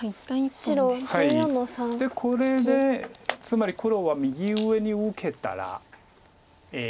これでつまり黒は右上に受けたら。